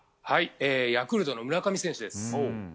ヤクルトの村上選手です。